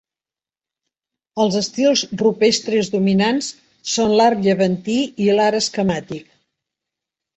Els estils rupestres dominants són l'art llevantí i l'art esquemàtic.